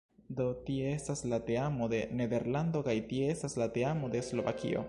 Do tie estas la teamo de Nederlando kaj tie estas la teamo de Slovakio